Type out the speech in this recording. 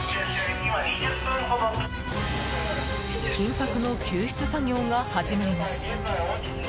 緊迫の救出作業が始まります。